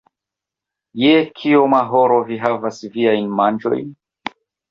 Je kioma horo vi havas viajn manĝojn?